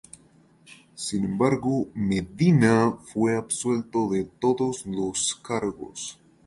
Sin embargo, Medina fue absuelto de todos los cargos.